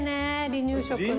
離乳食の。